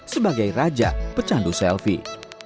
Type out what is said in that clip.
sebagai raja pecandu selfie